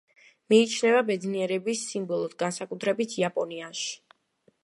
მიიჩნევა ბედნიერების სიმბოლოდ, განსაკუთრებით იაპონიაში.